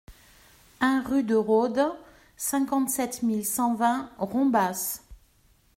un rue de Rôde, cinquante-sept mille cent vingt Rombas